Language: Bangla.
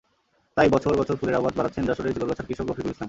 তাই বছর বছর ফুলের আবাদ বাড়াচ্ছেন যশোরের ঝিকরগাছার কৃষক রফিকুল ইসলাম।